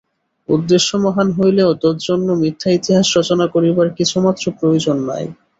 উদ্দেশ্য মহান হইলেও তজ্জন্য মিথ্যা ইতিহাস রচনা করিবার কিছুমাত্র প্রয়োজন নাই।